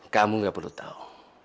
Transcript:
kamu nggak perlu tahu